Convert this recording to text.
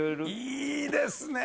いいですねぇ。